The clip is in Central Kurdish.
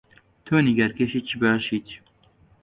تۆ نیگارکێشێکی باشیت.